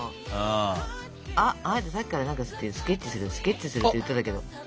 あっあなたさっきから何か「スケッチするスケッチする」って言ってたけど。